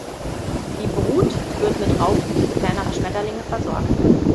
Die Brut wird mit Raupen kleinerer Schmetterlinge versorgt.